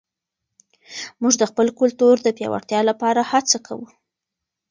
موږ د خپل کلتور د پیاوړتیا لپاره هڅه کوو.